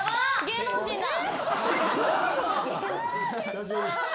芸能人だ。